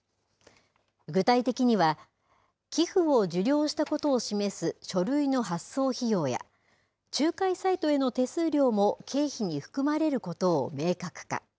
具体的には、寄付を受領したことを示す書類の発送費用や、仲介サイトへの手数料も経費に含まれることを明確化。